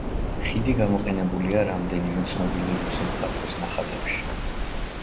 ხიდი გამოყენებულია რამდენიმე ცნობილი რუსი მხატვრის ნახატებში.